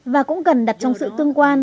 và cũng cần đặt trong sự tương quan